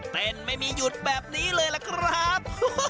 ไม่มีหยุดแบบนี้เลยล่ะครับ